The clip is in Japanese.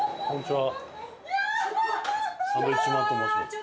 こんにちは。